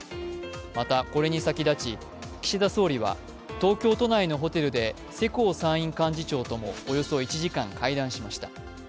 また、これに先立ち、岸田総理は東京都内のホテルで世耕参院幹事長ともおよそ１時間会談しました。